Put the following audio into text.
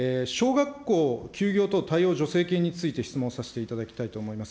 小学校休業等対応助成金について質問させていただきたいと思います。